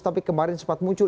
tapi kemarin sempat muncul